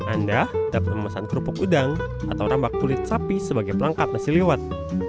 anda dapat memesan kerupuk udang atau rambak kulit sapi sebagai pelengkap nasi liwet